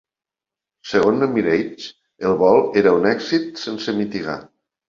Segons Emirates, el vol era un "èxit sense mitigar".